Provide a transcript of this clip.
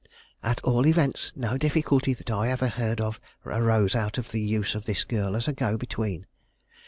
At all events, no difficulty that I ever heard of arose out of the use of this girl as a go between.